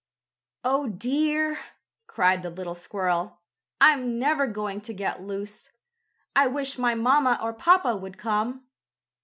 "Oh dear!" cried the little squirrel. "I'm never going to get loose. I wish my mamma or papa would come!"